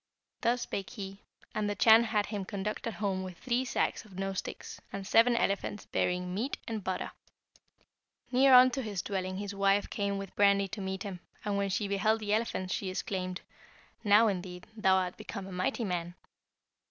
Thus spake he, and the Chan had him conducted home with three sacks of nose sticks, and seven elephants bearing meat and butter. "Near unto his dwelling his wife came with brandy to meet him; and when she beheld the elephants, she exclaimed, 'Now, indeed, thou art become a mighty man.'